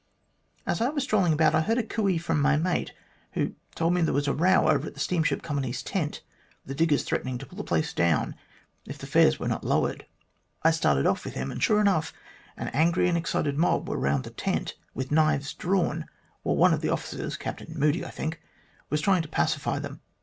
As I was strolling about I heard a c coo ee ' from my mate, who told me there was a row over at the Steamship Company's tent, the diggers threatening to pull the place down if the fares were not lowered. I started off with him, and sure enough an angry and excited mob were round the tent with knives drawn, while one of the officers Captain Moodie, I think was trying to pacify them.